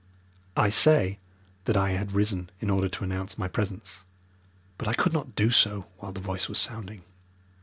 I say that I had risen in order to announce my presence, but I could not do so while the voice was sounding.